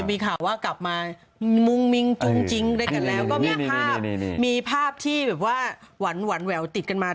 มีข่าวว่ากลับมามุ่งมิ้งจุ้งจิ้งด้วยกันแล้วก็มีภาพมีภาพที่แบบว่าหวานแหววติดกันมา